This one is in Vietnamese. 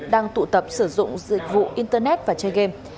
đang tụ tập sử dụng dịch vụ internet và chơi game